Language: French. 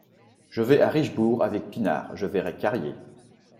Je vais à Richebourg avec Pinard, je verrai Carrier.